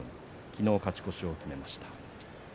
昨日、勝ち越しを決めました。